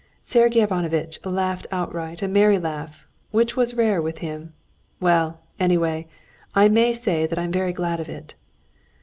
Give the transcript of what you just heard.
Sergey Ivanovitch laughed outright a merry laugh, which was rare with him. "Well, anyway, I may say that I'm very glad of it."